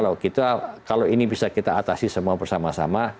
hal hal demikian itu yang menyebabkan kalau ini bisa kita atasi semua bersama sama